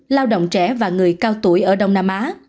lao động trẻ và người cao tuổi ở đông nam á